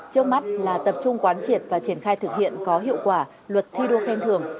trước mắt là tập trung quán triệt và triển khai thực hiện có hiệu quả luật thi đua khen thưởng